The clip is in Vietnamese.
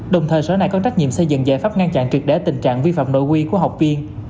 đồng thời sở này có trách nhiệm xây dựng giải pháp ngăn chặn triệt để tình trạng vi phạm nội quy của học viên